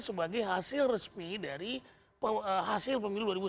sebagai hasil resmi dari hasil pemilu dua ribu sembilan belas